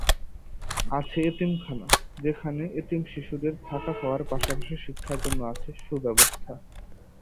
আছে এতিমখানা, যেখানে এতিম শিশুদের থাকা খাওয়ার পাশাপাশি শিক্ষার জন্য আছে সুব্যবস্থা।